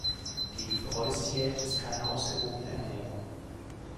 Die Breuß-Diät ist keine ausgewogene Ernährung.